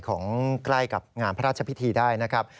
ของใกล้กับงานพระราชพิธีได้นะครับ